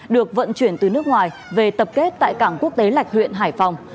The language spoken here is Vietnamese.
được vận chuyển từ nước ngoài về tập kết tại cảng quốc tế lạch huyện hải phòng